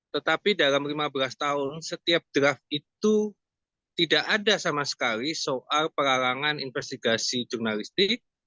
tetapi dalam lima belas tahun setiap draft itu tidak ada sama sekali soal peralangan investigasi jurnalistik